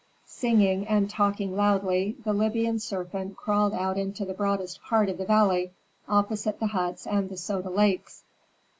Singing and talking loudly, the Libyan serpent crawled out into the broadest part of the valley, opposite the huts and the Soda Lakes.